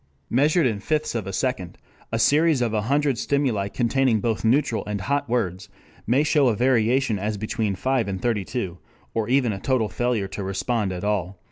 Measured in fifths of a second, a series of a hundred stimuli containing both neutral and hot words may show a variation as between 5 and 32 or even a total failure to respond at all.